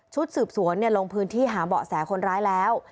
สืบสวนลงพื้นที่หาเบาะแสคนร้ายแล้ว